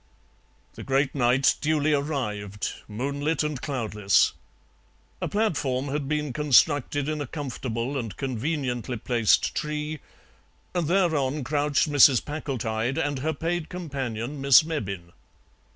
The great night duly arrived, moonlit and cloudless. A platform had been constructed in a comfortable and conveniently placed tree, and thereon crouched Mrs. Packletide and her paid companion, Miss Mebbin.